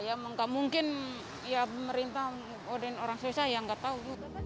ya nggak mungkin ya pemerintah orang susah ya nggak tahu